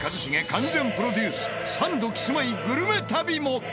完全プロデュースサンドキスマイグルメ旅も！